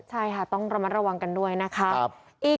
ใช่ค่ะต้องระมัดระวังกันด้วยนะคะ